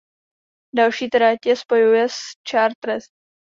Další trať je spojuje s Chartres.